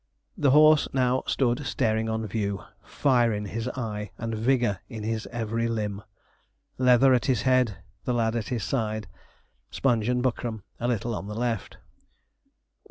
The horse now stood staring on view: fire in his eye, and vigour in his every limb. Leather at his head, the lad at his side. Sponge and Buckram a little on the left.